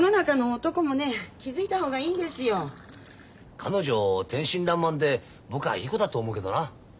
彼女天真らんまんで僕はいい子だと思うけどな。